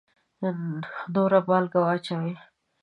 نوره مالګه واچوئ